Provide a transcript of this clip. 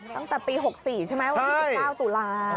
ตั้งแต่ปี๖๔ใช่ไหมวันที่๑๙ตุลา